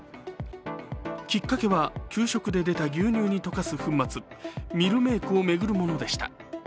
きっかけは給食で出た牛乳に溶かす粉末、ミルメークを巡るものでした。